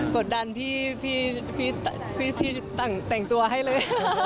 กดดันพี่ที่แต่งตัวให้เลย